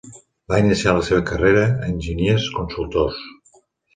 Va iniciar la seva carrera a Enginyers Consultors.